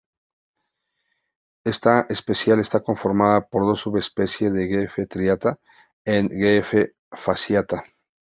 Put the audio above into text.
Esta especie está conformada por dos subespecies: "G. f. striata" and "G. f. fasciata".